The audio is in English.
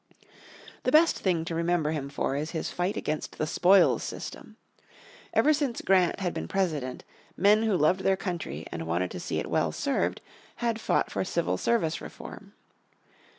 The best thing to remember him for is his fight against the "spoils system." Ever since Grant had been President men who loved their country, and wanted to see it well served, had fought for civil service reform.